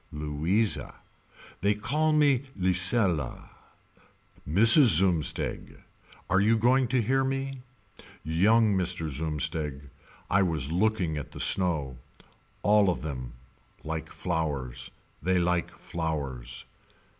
Louisa. They call me Lisela. Mrs. Zumsteg. Are you going to hear me. Young Mr. Zumsteg. I was looking at the snow. All of them. Like flowers. They like flowers.